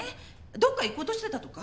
どこか行こうとしてたとか？